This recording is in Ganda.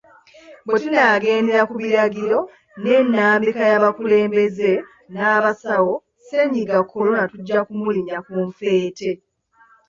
Bwetunaagendera ku biragiro ne nnambika y'abakulembeze n'abasawo, ssenyiga kolona tujja kumulinnya ku nfeete.